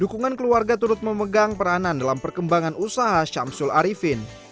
dukungan keluarga turut memegang peranan dalam perkembangan usaha syamsul arifin